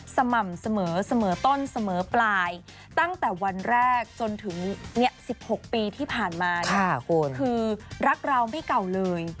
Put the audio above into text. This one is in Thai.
สม่ำเสมอเสมอต้นเสมอปลายตั้งแต่วันแรกจนถึง๑๖ปีที่ผ่านมาคือรักเราไม่เก่าเลย